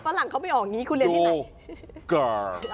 โหฝรั่งเขาไม่ออกนี้คุณเรียนที่ไหน